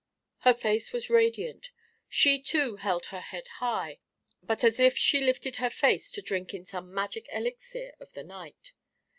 Her face was radiant. She too held her head high, but as if she lifted her face to drink in some magic elixir of the night.